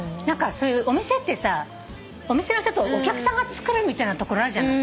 そういうお店ってさお店の人とお客さんがつくるみたいなところあるじゃない。